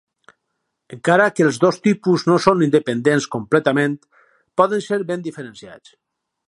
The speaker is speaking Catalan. Encara que els dos tipus no són independents completament, poden ser ben diferenciats.